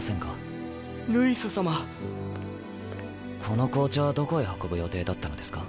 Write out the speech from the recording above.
この紅茶はどこへ運ぶ予定だったのですか？